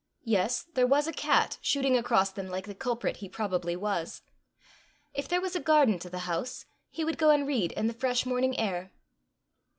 Yes there was a cat shooting across them like the culprit he probably was! If there was a garden to the house, he would go and read in the fresh morning air!